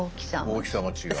大きさが違う。